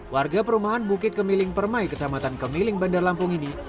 warga perumahan bukit kemiling permai kecamatan kemiling bandar lampung ini